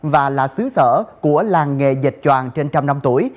và là xứ sở của làng nghề dịch choàng trên trăm năm tuổi